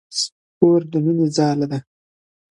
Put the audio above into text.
د کور د مينې ځاله ده.